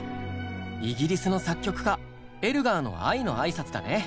イギリスの作曲家エルガーの「愛のあいさつ」だね。